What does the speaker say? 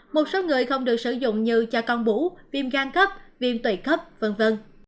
một số người không được sử dụng như cho con bú viêm gan cấp viêm tủy cấp v v